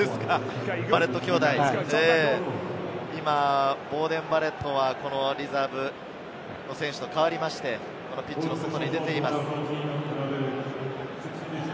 バレット兄弟、ボーデン・バレットはリザーブの選手と代わって、ピッチの外に出ています。